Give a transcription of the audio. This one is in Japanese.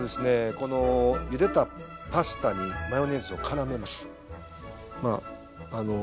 このゆでたパスタにマヨネーズをからめます。